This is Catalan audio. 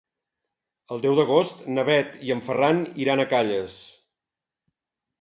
El deu d'agost na Bet i en Ferran iran a Calles.